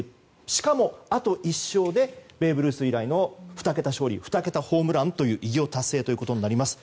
しかもあと１勝でベーブ・ルース以来の２桁勝利２桁ホームランという偉業達成となります。